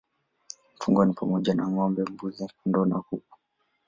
Mifugo ni pamoja na ng'ombe, mbuzi, kondoo na kuku.